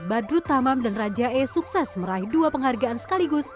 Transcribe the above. badrut tamam dan raja e sukses meraih dua penghargaan sekaligus